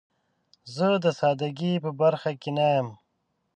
زه د سادګۍ په برخه کې نه یم.